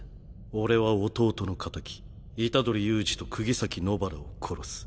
俺は弟の仇虎杖悠仁と釘崎野薔薇を殺す。